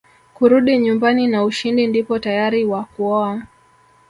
kurudi nyumbani na ushindi ndipo tayari wa kuoa